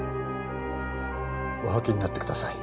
お履きになってください。